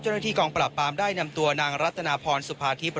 เจ้าหน้าที่กองปราบปรามได้นำตัวนางรัตนาพรสุภาธิบ